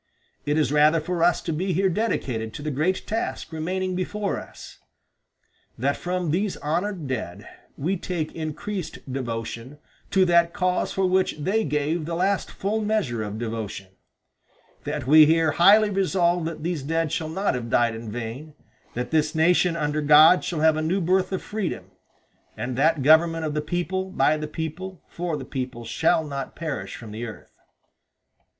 It is rather for us to be here dedicated to the great task remaining before us that from these honored dead we take increased devotion to that cause for which they gave the last full measure of devotion; that we here highly resolve that these dead shall not have died in vain; that this nation, under God, shall have a new birth of freedom; and that government of the people, by the people, for the people, shall not perish from the earth."